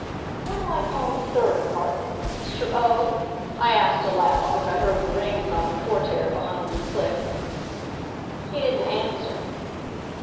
"What'll I call the third apartment house, Mr. O?" I asked aloud, as I heard the rings on the portiere behind me click. He didn't answer.